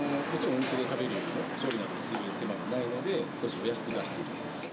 お店で食べるよりも調理する手間がないので、少しお安く出している。